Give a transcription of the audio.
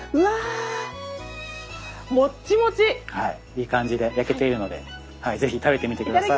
いい感じで焼けているのでぜひ食べてみて下さい。